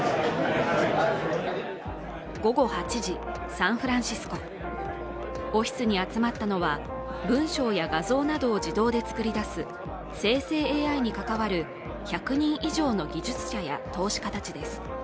午後８時、サンフランシスコオフィスに集まったのは、文章や画像などを自動で作り出す生成ＡＩに関わる１００人以上の技術者や投資家たちです。